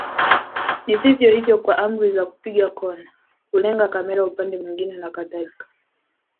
Ni vivyo hivyo kwa amri za kupiga kona, kulenga kamera upande mwingine na kadhalika.